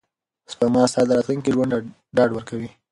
سپما ستا د راتلونکي ژوند ډاډ ورکوي.